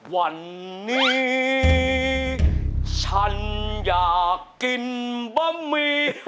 วันนี้ฉันอยากกินบะหมี่